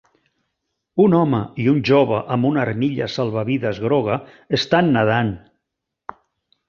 Un home i un jove amb una armilla salvavides groga estan nedant.